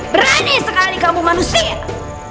berani sekali kamu manusia